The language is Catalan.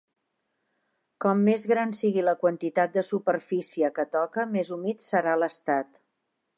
Com més gran sigui la quantitat de superfície que toca, més humit serà l'estat.